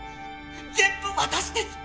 全部私です！